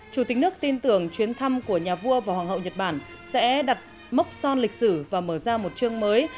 chủ tịch nước tin tưởng chuyến thăm của nhà vua và hoàng hậu nhật bản sẽ đặt mốc son lịch sử và mở ra một chương mới